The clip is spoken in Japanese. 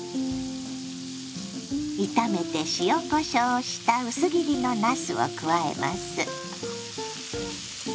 炒めて塩こしょうをした薄切りのなすを加えます。